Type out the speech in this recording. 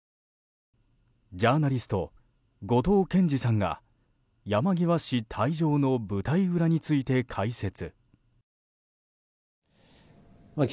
ジャーナリスト、後藤謙次さんが山際氏退場の舞台裏について解説。